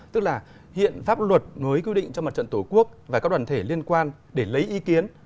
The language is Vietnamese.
tức là hiện pháp luật nối quy định cho mặt trận tổ quốc và các đoàn thể liên quan để lấy ý kiến